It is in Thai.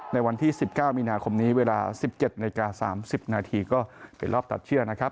ในวันที่๑๙มีนาคมนี้เวลา๑๗นาฬิกา๓๐นาทีก็เป็นรอบตัดเชื่อนะครับ